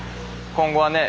今後はね